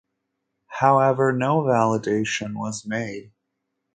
However, no validation was made.